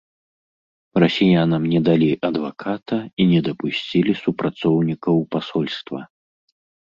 Расіянам не далі адваката і не дапусцілі супрацоўнікаў пасольства.